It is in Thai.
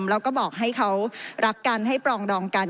แล้วก็บอกให้เขารักกันให้ปรองดองกัน